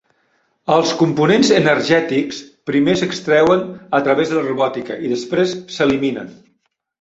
Els components energètics primer s'extreuen a través de la robòtica i després s'eliminen.